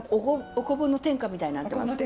お昆布の天下みたいになってますか？